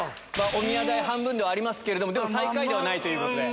おみや代半分ではありますけども最下位ではないということで。